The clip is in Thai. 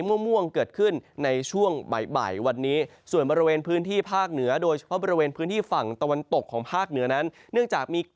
ม่วงม่วงเกิดขึ้นในช่วงบ่ายบ่ายวันนี้ส่วนบริเวณพื้น